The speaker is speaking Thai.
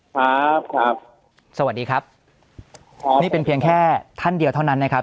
ครับครับสวัสดีครับครับนี่เป็นเพียงแค่ท่านเดียวเท่านั้นนะครับ